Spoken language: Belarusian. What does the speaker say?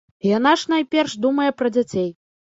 Яна ж найперш думае пра дзяцей.